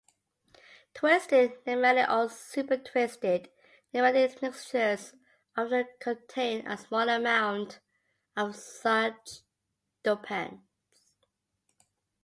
Twisted-nematic or super-twisted nematic mixtures often contain a small amount of such dopants.